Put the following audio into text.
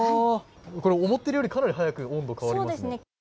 これ思っているより早く温度変わりますね。